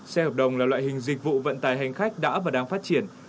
xe hợp đồng là loại hình dịch vụ vận tài hành khách đã và đang phát triển